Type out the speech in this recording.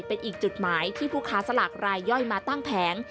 เป็นอีกจุดหมายที่ผู้ค้าสลากรายย่อยมาตั้งแผง